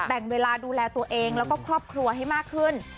แบ่งเวลาดูแลตัวเองแล้วก็ครอบครัวให้มากขึ้น